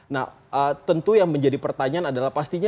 nah tentu yang menjadi pertanyaan adalah pastinya